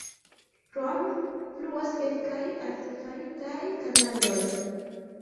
Krome fluas kelkaj artefaritaj kanaloj.